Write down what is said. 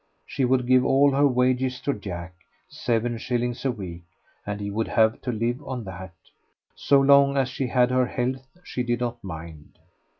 She would give all her wages to Jack, seven shillings a week, and he would have to live on that. So long as she had her health she did not mind.